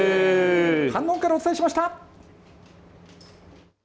飯能からお伝えしました。